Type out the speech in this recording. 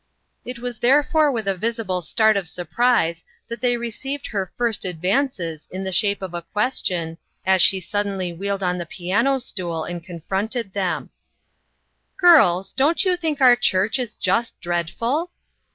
It was therefore with a visible start of surprise that they received her first ad vances in the shape of a question, as she suddenl} 7 wheeled on the piano stool and confronted them : "Girls, don't you think our church is just dreadful?"